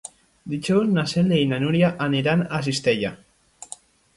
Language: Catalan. Dijous na Cèlia i na Núria aniran a Cistella.